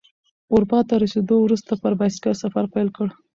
اروپا ته رسیدو وروسته پر بایسکل سفر پیل کړ.